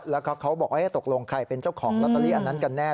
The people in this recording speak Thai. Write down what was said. แล้วเขาบอกว่าตกลงใครเป็นเจ้าของลอตเตอรี่อันนั้นกันแน่